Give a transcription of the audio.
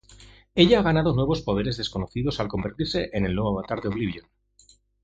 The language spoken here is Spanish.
Ella ha ganado nuevos poderes desconocidos al convertirse en el nuevo avatar de Oblivion.